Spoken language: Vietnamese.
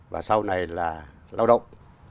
và sau này là lao động